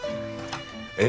えっ？